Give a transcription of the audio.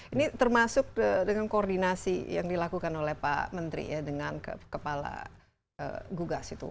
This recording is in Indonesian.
ini termasuk dengan koordinasi yang dilakukan oleh pak menteri ya dengan kepala gugas itu